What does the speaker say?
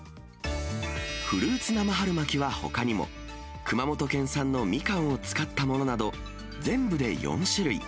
フルーツ生春巻きはほかにも、熊本県産のみかんを使ったものなど、全部で４種類。